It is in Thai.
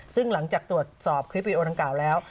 ซึ่งหลังจากตรวจสอบคลิปวิดีโอดังกล่าวแล้ว